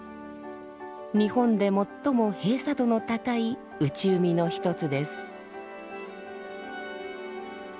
日本で最も閉鎖度の高い内海の一つです。